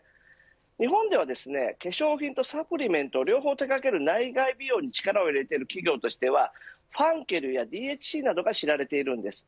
日本では化粧品とサプリメントの両方を手掛ける内外美容に力を入れている企業としてはファンケルやＤＨＣなどが知られているんです。